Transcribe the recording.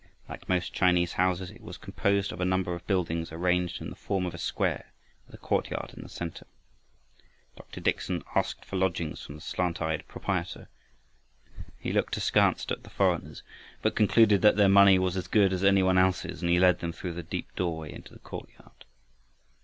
Like most Chinese houses it was composed of a number of buildings arranged in the form of a square with a courtyard in the center. Dr. Dickson asked for lodgings from the slant eyed proprietor. He looked askance at the foreigners, but concluded that their money was as good as any one else's, and he led them through the deep doorway into the courtyard.